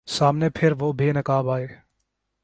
سامنے پھر وہ بے نقاب آئے